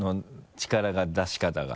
力の出し方が。